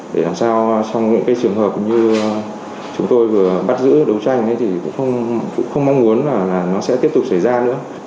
để làm sao trong những cái trường hợp như chúng tôi vừa bắt giữ đấu tranh thì cũng không mong muốn là nó sẽ tiếp tục xảy ra nữa